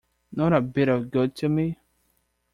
Not a bit of good to me.